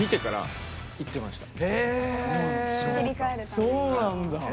そうなんだ！